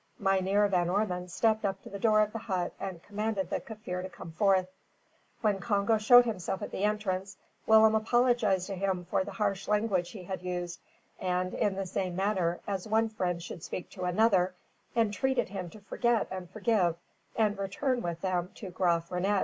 Mynheer Van Ormon stepped up to the door of the hut and commanded the Kaffir to come forth. When Congo showed himself at the entrance, Willem apologised to him for the harsh language he had used, and, in the same manner as one friend should speak to another, entreated him to forget and forgive, and return with them to Graaf Reinet.